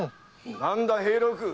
何だ兵六。